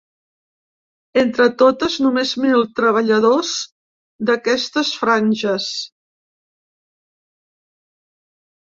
Entre totes, només mil treballadors d’aquestes franges.